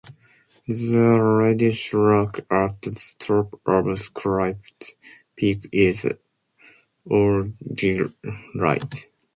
The reddish rock at the top of Crypt Peak is argillite.